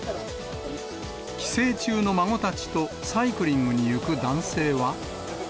帰省中の孫たちとサイクリングに行く男性は。